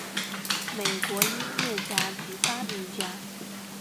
美国音乐家及发明家。